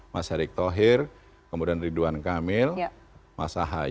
mas erick thohir kemudian ridwan kamil mas ahaye